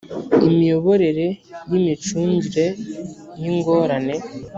Imiyoborere y imicungire y ingorane